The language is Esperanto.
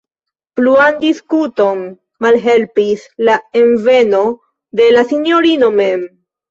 Pluan diskuton malhelpis la enveno de la sinjorino mem.